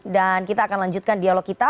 dan kita akan lanjutkan dialog kita